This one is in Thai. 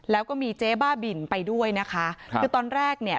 แล้วก็มีเจ๊บ้าบินไปด้วยนะคะครับคือตอนแรกเนี่ย